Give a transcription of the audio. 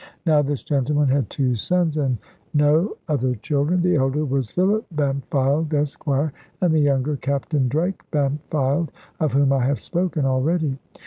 Now this gentleman had two sons, and no other children; the elder was Philip Bampfylde, Esquire, and the younger Captain Drake Bampfylde, of whom I have spoken already.